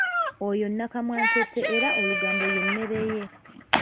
Oyo nakamwantette era olugambo ye mmere ye.